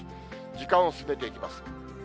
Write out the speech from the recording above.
時間を進めていきます。